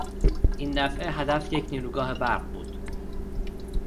این دفعه هدف یک نیروگاه برق بود.